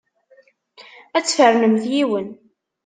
Ad tfernemt yiwen.